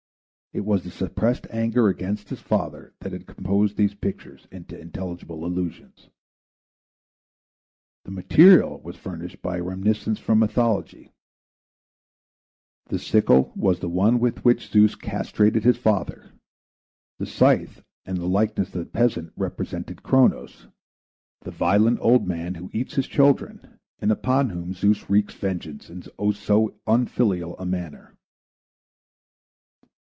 It was the suppressed anger against his father that had composed these pictures into intelligible allusions. The material was furnished by a reminiscence from mythology, The sickle was the one with which Zeus castrated his father; the scythe and the likeness of the peasant represented Kronos, the violent old man who eats his children and upon whom Zeus wreaks vengeance in so unfilial a manner.